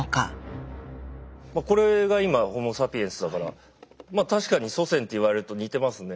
まあこれが今ホモ・サピエンスだからまあ確かに祖先って言われると似てますね。